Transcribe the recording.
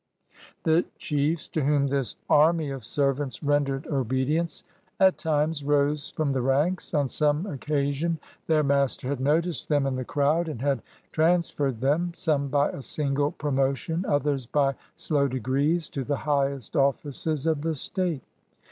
The chiefs, to whom this army of servants rendered obedience, at times rose from the ranks; on some occa sion their master had noticed them in the crowd and had transferred them, some by a single promotion, others by slow degrees, to the highest offices of the state.